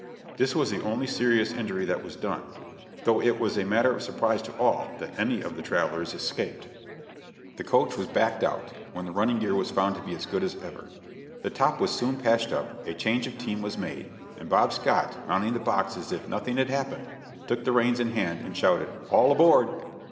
This was the only serious injury that was done; though it was a matter of surprise to all, that any of the travelers escaped. The coach was backed out, when the running gear was found to be as good as ever. The top was soon patched up, a change of team was made, and Bob Scott, mounting the box as if nothing had happened, took the reins in hand, and shouted, "All aboard!"